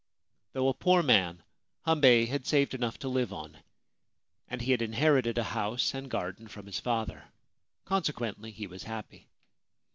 Though a poor man, Hambei had saved enough to live on ; and he had inherited a house and garden from his father. Consequently, he was happy.